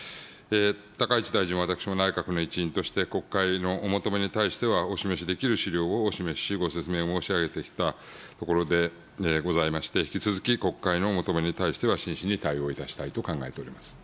高市大臣、私も内閣の一員として、国会のお求めに対しては、お示しできる資料をお示し、ご説明を申し上げてきたところでございまして、引き続き国会の求めに対しては、真摯に対応いたしたいと考えております。